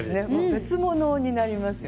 別物になりますよね。